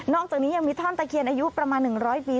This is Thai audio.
อกจากนี้ยังมีท่อนตะเคียนอายุประมาณ๑๐๐ปี